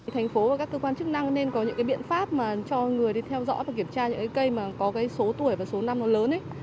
thành phố và các cơ quan chức năng nên có những biện pháp cho người theo dõi và kiểm tra những cây có số tuổi và số năm lớn